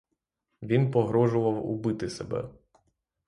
Він погрожував убити себе.